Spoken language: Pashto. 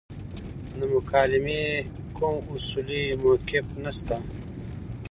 د مکالمې کوم اصولي موقف نشته.